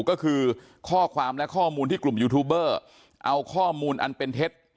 ก็คือข้อความและข้อมูลที่กลุ่มยูทูบเบอร์เอาข้อมูลอันเป็นเท็จ